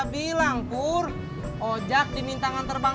pakar udah dapet nih pak